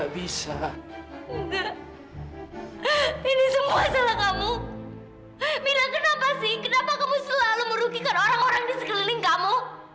bisa enggak ini semua salah kamu eh mira kenapa sih kenapa kamu selalu merugikan orang orang di sekeliling kamu